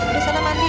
aduh sana mandi